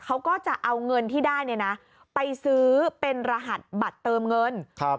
เขาก็จะเอาเงินที่ได้เนี่ยนะไปซื้อเป็นรหัสบัตรเติมเงินครับ